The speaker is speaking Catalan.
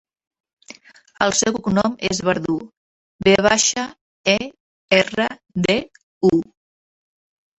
El seu cognom és Verdu: ve baixa, e, erra, de, u.